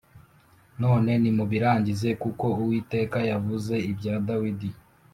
none nimubirangize kuko Uwiteka yavuze ibya Dawidi